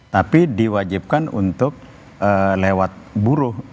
tapi diwajibkan untuk lewat buruh